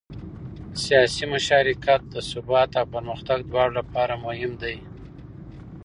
سیاسي مشارکت د ثبات او پرمختګ دواړو لپاره مهم دی